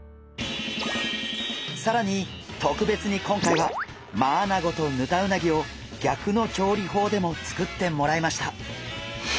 さらにとくべつに今回はマアナゴとヌタウナギをぎゃくの調理法でも作ってもらいました。